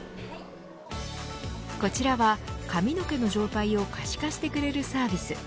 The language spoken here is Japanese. こちらは、髪の毛の状態を可視化してくれるサービス。